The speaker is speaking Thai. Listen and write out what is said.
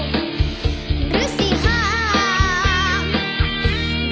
หรือสิห้าง